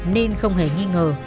nên không hề nghi ngờ